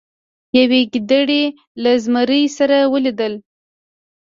یوې ګیدړې له زمري سره ولیدل.